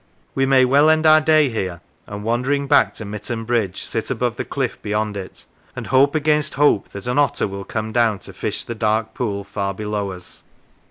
We may well end our day here, and wandering back to Mitton bridge, sit above the cliff beyond it, and hope against hope that an otter will come down to fish the dark pool far below us.